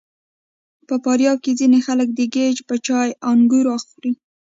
په فاریاب کې ځینې خلک د ګیځ په چای انګور خوري.